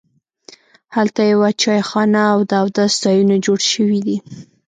هلته یوه چایخانه او د اودس ځایونه جوړ شوي دي.